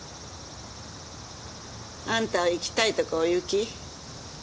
あんたは行きたいとこお行き。